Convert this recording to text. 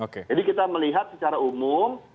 jadi kita melihat secara umum